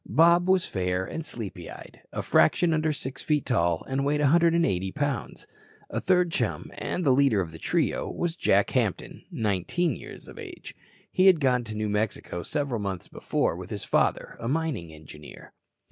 Bob was fair and sleepy eyed, a fraction under six feet tall and weighed 180 pounds. A third chum and the leader of the trio was Jack Hampton, 19 years of age. He had gone to New Mexico several months before with his father, a mining engineer.